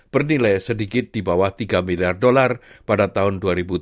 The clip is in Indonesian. bernilai sedikit di bawah tiga miliar dolar pada tahun dua ribu tiga puluh lima